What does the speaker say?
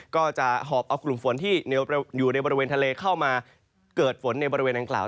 ก็จะหอบเอากลุ่มฝนที่อยู่ในบริเวณทะเลเข้ามาเกิดฝนในบริเวณดังกล่าว